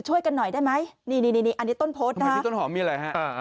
ช่วยกันหน่อยได้ไหมอันนี้ต้นโพสต์ว่ามีอะไรฮะ